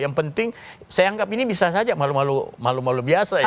yang penting saya anggap ini bisa saja malu malu biasa ya